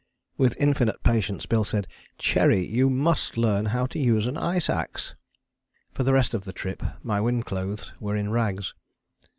With infinite patience Bill said: "Cherry, you must learn how to use an ice axe." For the rest of the trip my wind clothes were in rags.